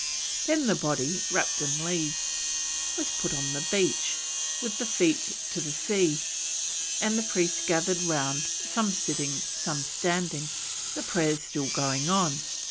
Then the body, wrapped in leaves, was put on the beach, with the feet to the sea, and the priests gathered round, some sitting, some standing, the prayers still going on.